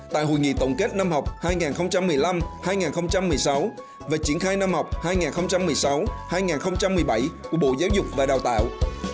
tại hội nghị tổng kết năm học hai nghìn một mươi năm hai nghìn một mươi sáu và triển khai năm học hai nghìn một mươi sáu hai nghìn một mươi bảy của bộ giáo dục và đào tạo